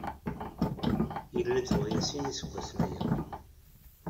Yalla-d waya sin iseggasen aya.